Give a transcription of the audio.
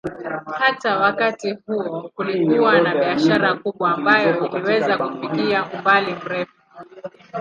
Hata wakati huo kulikuwa na biashara kubwa ambayo iliweza kufikia umbali mrefu.